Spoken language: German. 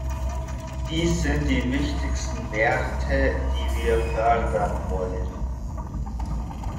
Dies sind die wichtigsten Werte, die wir fördern wollen.